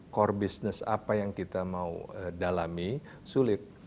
core business apa yang kita mau dalami sulit